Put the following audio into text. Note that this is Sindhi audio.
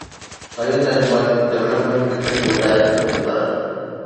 سعيد اجمل ڊولپمينٽ ڪرڪيٽ جو ڊائريڪٽر مقرر